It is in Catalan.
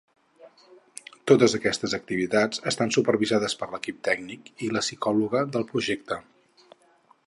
Totes aquestes activitats estan supervisades per l’equip tècnic i la psicòloga del projecte.